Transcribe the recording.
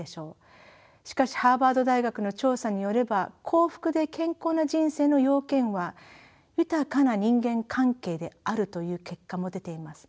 しかしハーバード大学の調査によれば幸福で健康な人生の要件は豊かな人間関係であるという結果も出ています。